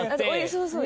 そうそう。